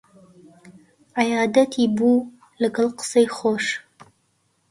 عەیادەتی بوو لەگەڵ قسەی خۆش